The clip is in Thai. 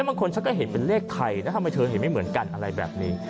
บางคนฉันก็เห็นเป็นเลขไทยนะทำไมเธอเห็นไม่เหมือนกันอะไรแบบนี้